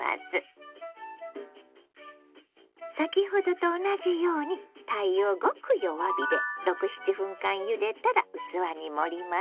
先ほどと同じようにたいをごく弱火で６７分間ゆでたら器に盛ります。